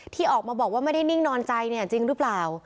ที่ออกมาบอกว่าไม่ได้นิ่งนอนใจเนี่ยจริงหรือเปล่า